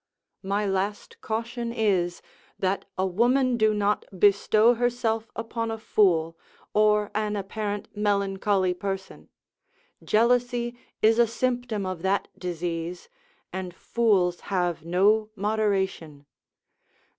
My last caution is, that a woman do not bestow herself upon a fool, or an apparent melancholy person; jealousy is a symptom of that disease, and fools have no moderation.